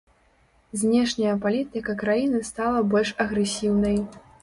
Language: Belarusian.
Знешняя палітыка краіны стала больш агрэсіўнай.